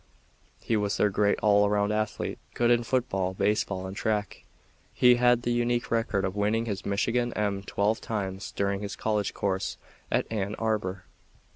He was their great all around athlete; good in football, baseball and track. He had the unique record of winning his Michigan M twelve times during his college course at Ann Arbor.